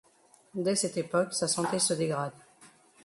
Dès cette époque, sa santé se dégrade.